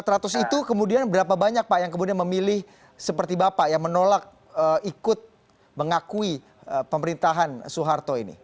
empat ratus itu kemudian berapa banyak pak yang kemudian memilih seperti bapak yang menolak ikut mengakui pemerintahan soeharto ini